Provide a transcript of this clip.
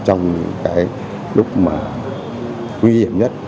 trong lúc mà nguy hiểm nhất